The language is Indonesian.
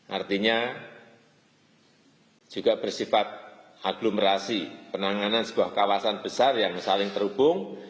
artinya juga bersifat aglomerasi penanganan sebuah kawasan besar yang saling terhubung